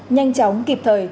nhanh chóng kịp thời